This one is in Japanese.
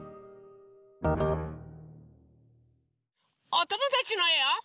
おともだちのえを。